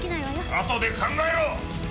あとで考えろ！！